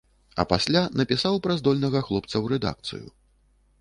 А пасля напісаў пра здольнага хлопца ў рэдакцыю.